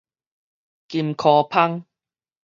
金箍蜂